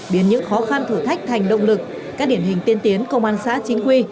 biến những khó khăn thử thách thành động lực các điển hình tiên tiến công an xã chính quy